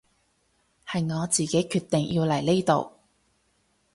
係我自己決定要嚟呢度